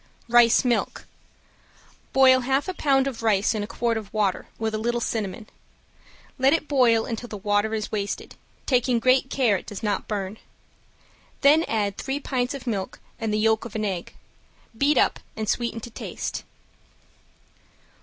~RICE MILK~ Boil half pound of rice in a quart of water, with a little cinnamon. Let it boil until the water is wasted, taking great care it does not burn. Then add three pints of milk and the yolk of an egg. Beat up and sweeten to taste.